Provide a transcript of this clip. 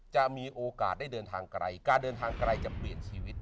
จะมีโอกาสได้เดินทางไกลการเดินทางไกลจะเปลี่ยนชีวิต